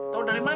tahu dari mana